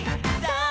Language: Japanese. さあ